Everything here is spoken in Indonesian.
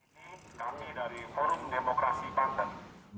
ini kami dari forum demokrasi banten